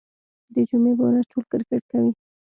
د جمعې په ورځ ټول کرکټ کوي.